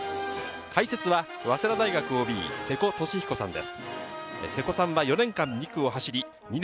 解説は早稲田大学ＯＢ・瀬古利彦さんです。